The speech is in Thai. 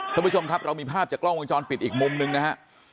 ท่านผู้ชมครับเรามีภาพจากกล้องวงจรปิดอีกมุมหนึ่งนะฮะ